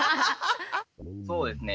そうですね。